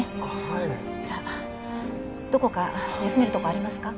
はいじゃあどこか休めるとこありますか？